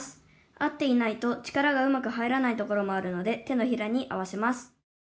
合っていないと力がうまく入らないところもあるので手のひらに合わせます」。